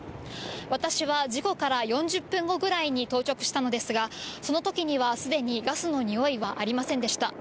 私は事故から４０分後ぐらいに到着したのですが、そのときには、すでにガスの臭いはありませんでした。